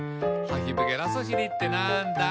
「ハヒブゲラソシリってなんだ？」